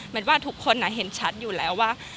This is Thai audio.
ว่าทุกคนเห็นชัดอยู่แล้วว่า